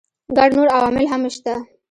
ګڼ نور عوامل هم شته.